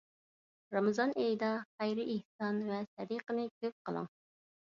رامىزان ئېيىدا خەير-ئېھسان ۋە سەدىقىنى كۆپ قىلىڭ.